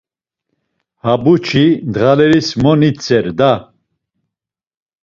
Habuçi, ndğaleris mo nintzer da.